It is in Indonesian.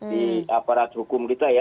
di aparat hukum kita ya